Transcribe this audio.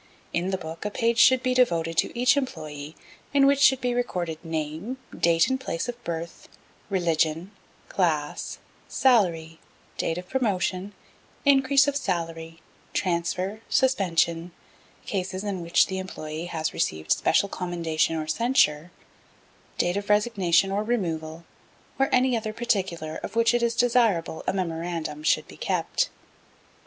In the book a page should be devoted to each employé, in which should be recorded name, date, and place of birth, religion, class, salary, date of promotion, increase of salary, transfer, suspension, cases in which the employé has received special commendation or censure, date of resignation or removal, or any other particular of which it is desirable a memorandum should be kept.